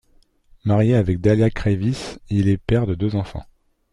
Marié avec Dalia Kreivys, il est père de deux enfants.